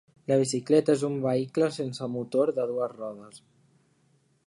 La bicicleta és un vehicle sense motor de dues rodes.